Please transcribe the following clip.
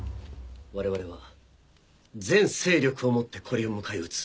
われわれは全勢力をもってこれを迎え撃つ。